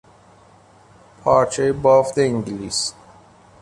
پارچهی بافت انگلیس